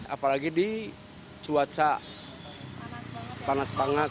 apalagi di cuaca panas banget